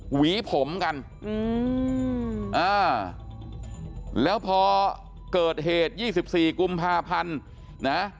หวีผมกันอืมอ่าแล้วพอเกิดเหตุ๒๔กุมภาพันธ์นะ